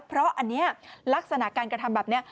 เพราะอันนี้ลักษณะการกระทำแบบนี้